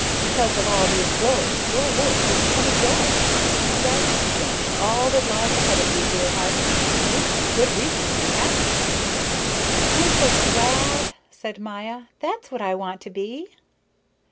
Because of all these glories your work will become a joy. Just think all that lies ahead of you, dear heart. You have good reason to be happy." "I'm so glad," said Maya, "that's what I want to be."